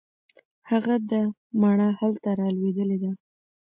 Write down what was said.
هغه ده مڼه هلته رالوېدلې ده.